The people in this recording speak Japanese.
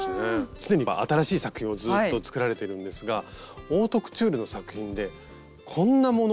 常に新しい作品をずっと作られているんですがオートクチュールの作品でこんなものを作られたということで。